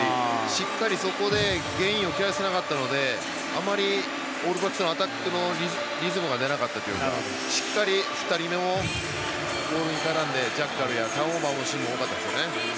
しっかりそこでゲインを切らせなかったのであまりオールブラックスのアタックのリズムが出なかったというかしっかり２人目もボールに絡んでジャッカルやターンオーバーのシーンも多かったんですね。